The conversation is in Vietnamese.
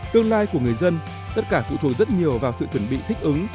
tương lai của người dân tất cả phụ thuộc rất nhiều vào sự chuẩn bị thích ứng